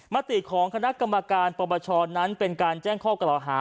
มติของคณะกรรมการปปชนั้นเป็นการแจ้งข้อกล่าวหา